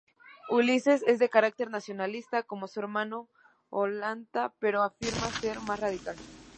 Ulises es de carácter nacionalista como su hermano Ollanta pero afirma ser "más radical".